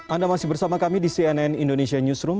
anda masih bersama kami di cnn indonesia newsroom